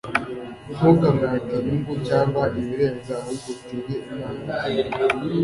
Ntukamwake inyungu cyangwa ibirenze, ahubwo utinye Imana yawe,